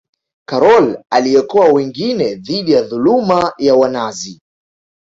Karol aliokoa wengine dhidi ya dhuluma ya wanazi